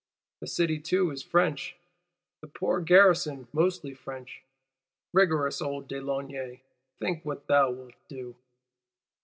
The city too is French, the poor garrison mostly French. Rigorous old de Launay, think what thou wilt do!